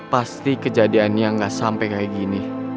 pasti kejadiannya nggak sampai kayak gini